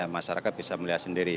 masyarakat bisa melihat sendiri